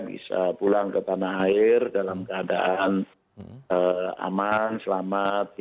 bisa pulang ke tanah air dalam keadaan aman selamat